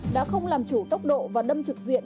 đã không làm chủ tốc độ và đâm trực diện